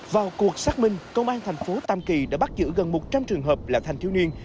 vào cuộc xác minh công an thành phố tam kỳ đã bắt giữ gần một trăm linh trường hợp là thanh thiếu niên